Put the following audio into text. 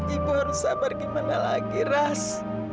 ibu harus sabar gimana lagi ras